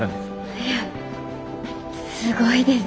いやすごいです。